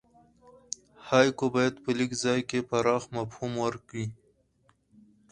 هایکو باید په لږ ځای کښي پراخ مفهوم ورکي.